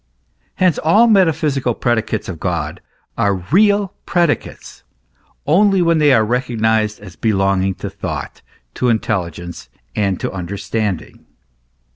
Hence all metaphysical predicates of God are real predicates only when they are re cognised as belonging to thought, to intelligence, to the un derstanding.